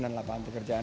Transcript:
dan lapangan pekerjaan